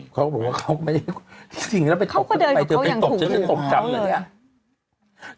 เขาบอกว่าเขาไม่ได้สิ่งนั้นไปตกกลับไปเดินไปตกจะได้ตกกลับเหมือนเนี่ย